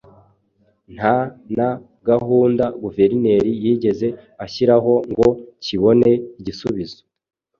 nta na gahunda Guverineri yigeze ashyiraho ngo kibone igisubizo.